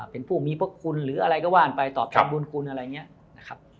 เป็นผู้มีพวกคุณหรืออะไรก็ว้างไปตอบขามบุญคุณใช่มั้ย